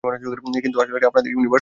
কিন্তু এটা আসলে আপনাদের ইউনিভার্স না।